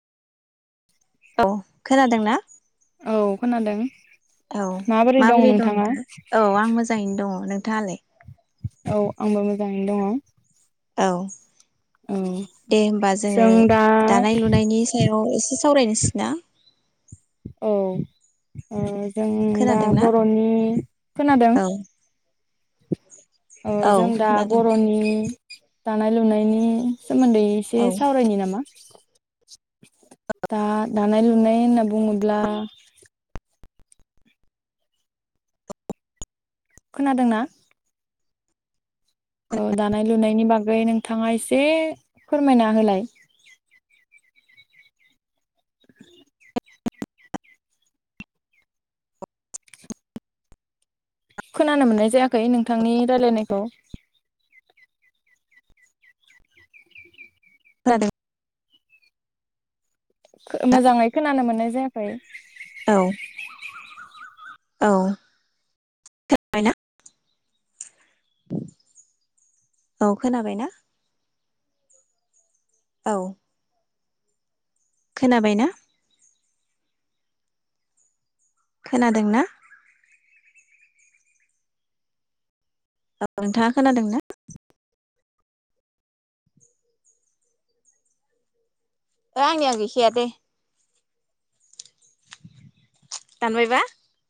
औ खोनादों ना? औ खोनादों। औ माबोरै दं नोंथाङा? औ आं मोजाङैनो दङ' नों- थाङालाय औ आंबो मोजाङैनो दङ'। औ। औ दे होमबा जोङो जों दा दानाय लुनायनि सायाव एसेसो सावरायनोसै ना औ ओ जों दा खोनादोंना? बर'नि खोनादों। औ अ औ जों दा खोनादों बर'नि दानाय लुनायनि सोमोन्दै एसे औ सावरायनि नामा? दा दानाय लुनाय होनना बुङोब्ला खोनादों ना? औ दानाय लुनायनि बागै नोंथाङा एसे फोरमायना होलाय। [unintelligible] खोनानो मोननाय जायाखै नोंथांनि रायलायनायखौ। खोनादों? खो मोजाङै खोनानो मोननाय जायाखै। [inaudible] औ खोनाबाय ना? औ खोनाबाय ना? औ। खोनाबाय ना? खोनादों ना? औ नोंथाङा खोनादों ना? ओ आं‌निया गैखाया दे। दानबायबा?